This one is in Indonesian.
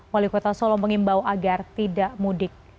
wali kota solo mengimbau agar tidak mudik